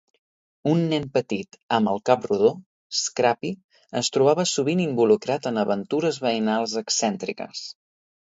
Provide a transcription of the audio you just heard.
Un nen petit amb el cap rodó, Scrappy es trobava sovint involucrat en aventures veïnals excèntriques.